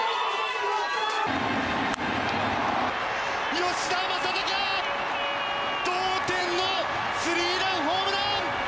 吉田正尚同点のスリーランホームラン！